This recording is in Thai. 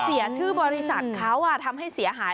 เสียชื่อบริษัทเขาทำให้เสียหาย